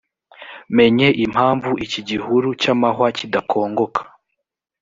menye impamvu iki gihuru cy amahwa kidakongoka